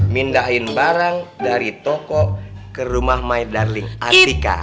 mindahin barang dari toko ke rumah my darling atika